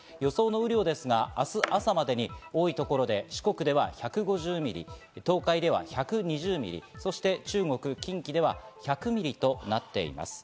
雨量ですが明日朝までに多い所で四国で１５０ミリ、東海では１２０ミリ、中国、近畿では１００ミリとなっています。